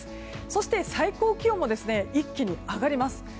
そして、最高気温も一気に上がります。